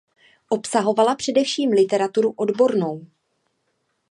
Obsahovala především literaturu odbornou.